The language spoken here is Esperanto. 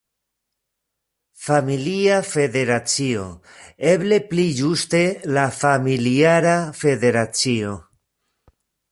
Familia Federacio, eble pli ĝuste la Familiara Federacio.